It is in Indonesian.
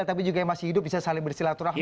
dan juga yang masih hidup bisa saling bersilaturahmi